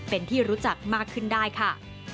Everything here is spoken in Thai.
เป็นที่รู้จักมากขึ้นได้ค่ะ